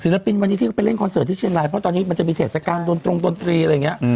ปินวันนี้ที่เขาไปเล่นคอนเสิร์ตที่เชียงรายเพราะตอนนี้มันจะมีเทศกาลดนตรงดนตรีอะไรอย่างนี้